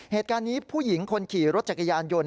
เหตุการณ์นี้ผู้หญิงคนขี่รถจักรยานยนต์